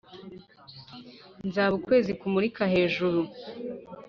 nzaba ukwezi kumurika hejuru,